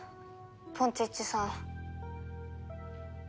ポンチッチさん。